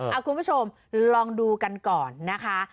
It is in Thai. เอาคุณผู้ชมลองดูกันก่อนนะคะ